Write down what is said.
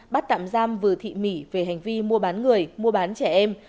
bắt tạm giam vừa thị mỹ về hành vi mua bán người mua bán trẻ em